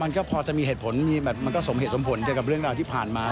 มันก็พอจะมีเหตุผลมีแบบมันก็สมเหตุสมผลเกี่ยวกับเรื่องราวที่ผ่านมา